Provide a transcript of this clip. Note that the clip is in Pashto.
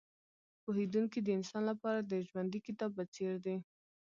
پوهېدونکی د انسان لپاره د ژوندي کتاب په څېر دی.